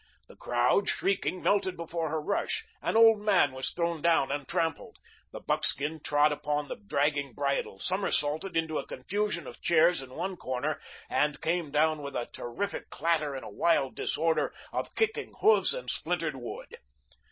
The crowd, shrieking, melted before her rush. An old man was thrown down and trampled. The buckskin trod upon the dragging bridle, somersaulted into a confusion of chairs in one corner, and came down with a terrific clatter in a wild disorder of kicking hoofs and splintered wood.